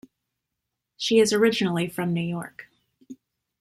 She is originally from New York.